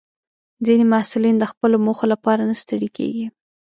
ځینې محصلین د خپلو موخو لپاره نه ستړي کېږي.